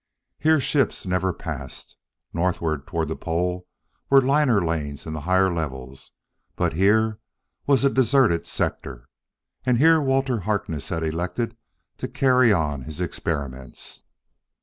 Here ships never passed. Northward, toward the Pole, were liner lanes in the higher levels, but here was a deserted sector. And here Walter Harkness had elected to carry on his experiments.